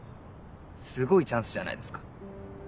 すごいチャンスじゃないですか。